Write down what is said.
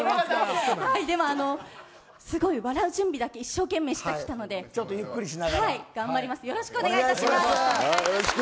すごい笑う準備だけ一生懸命してきたので頑張ります